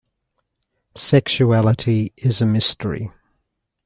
Sexuality is a mystery.